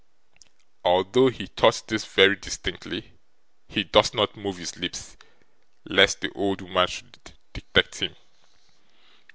Although he thought this very distinctly, he durst not move his lips lest the old woman should detect him.